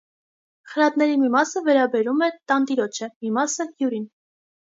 Խրատների մի մասը վերաբերում է տանտիրոջը, մի մասը՝ հյուրին։